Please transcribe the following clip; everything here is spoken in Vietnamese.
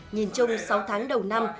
nhìn chung sáu tháng đầu năm